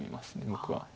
僕は。